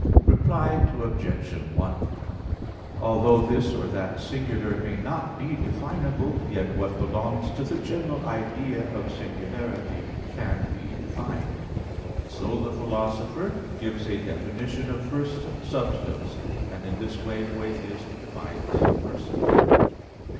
Reply Obj. 1: Although this or that singular may not be definable, yet what belongs to the general idea of singularity can be defined; and so the Philosopher (De Praedic., cap. De substantia) gives a definition of first substance; and in this way Boethius defines person.